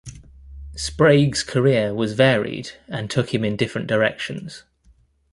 Sprague's career was varied and took him in different directions.